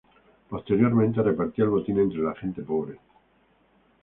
Posteriormente, repartía el botín entre la gente pobre.